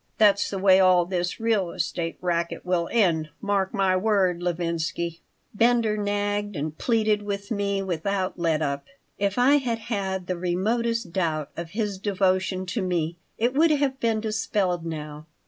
That's the way all this real estate racket will end. Mark my word, Levinsky." Bender nagged and pleaded with me without let up. If I had had the remotest doubt of his devotion to me it would have been dispelled now.